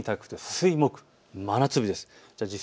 水、木、真夏日です。